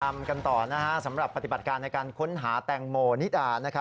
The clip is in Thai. กลับมากันต่อนะฮะสำหรับปฏิบัติการในการค้นหาแตงโมนิดอ่านนะครับ